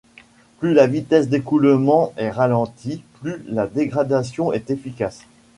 Plus la vitesse d’écoulement est ralentie, plus la dégradation est efficace.